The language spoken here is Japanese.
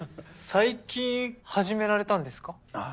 最近始められたんですか？